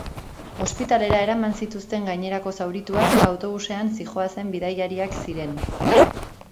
Ospitalera eraman zituzten gainerako zaurituak autobusean zihoazen bidaiariak ziren.